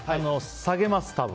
下げます、多分。